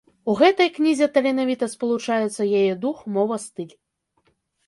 У гэтай кнізе таленавіта спалучаюцца яе дух, мова, стыль.